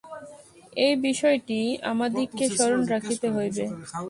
এই বিষয়টি আমাদিগকে স্মরণ রাখিতে হইবে।